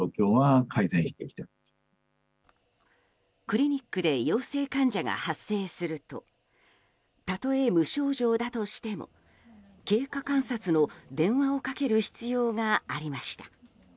クリニックで陽性患者が発生するとたとえ無症状だとしても経過観察の電話をかける必要がありました。